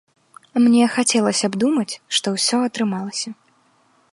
Мне хацелася б думаць, што ўсё атрымалася.